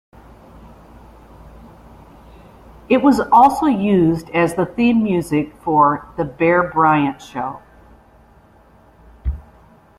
It was also used as the theme music for "The Bear Bryant Show".